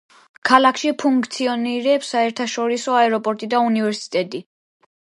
ქალაქში ფუნქციონირებს საერთაშორისო აეროპორტი და უნივერსიტეტი.